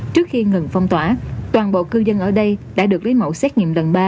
trước khi ngừng phong tỏa toàn bộ cư dân ở đây đã được lấy mẫu xét nghiệm lần ba